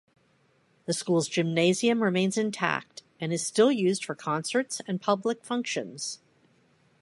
The school's gymnasium remains intact and is still used for concerts and public functions.